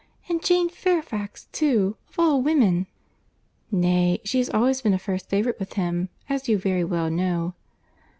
And Jane Fairfax, too, of all women!" "Nay, she has always been a first favourite with him, as you very well know."